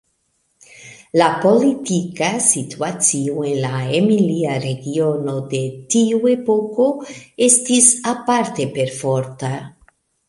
La politika situacio en la Emilia regiono de tiu epoko estis aparte perforta.